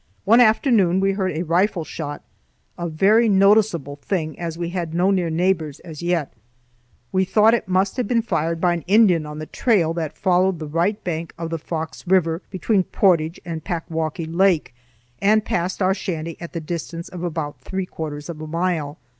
One afternoon we heard a rifle shot, a very noticeable thing, as we had no near neighbors, as yet. We thought it must have been fired by an Indian on the trail that followed the right bank of the Fox River between Portage and Packwaukee Lake and passed our shanty at a distance of about three quarters of a mile.